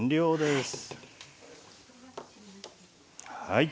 はい。